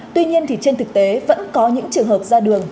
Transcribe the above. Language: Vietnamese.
tuy nhiên thì trên thực tế vẫn có những trường hợp ra đường